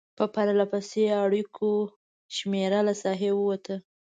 په پرلپسې اړیکو شمېره له ساحې ووته.